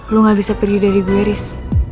lo gak bisa pergi dari gue riz